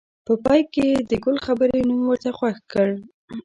په پای کې یې د ګل خبرې نوم ورته خوښ کړ.